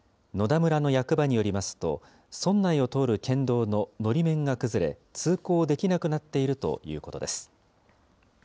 野田村の役場によりますと、村内を通る県道ののり面が崩れ、通行できなくなっているということです。